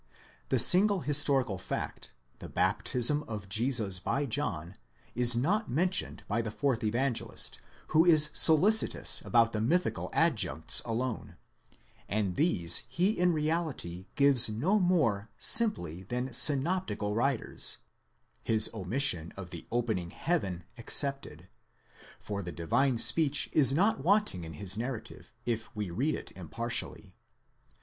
The single historical fact, the baptism of Jesus by John, is not mentioned by the fourth Evangelist, who is solicitous about the mythical adjuncts alone, and these he in reality gives no more simply than the synop tical writers, his omission of the opening heaven excepted ; for the divine speech is not wanting in his narrative, if we read it impartially.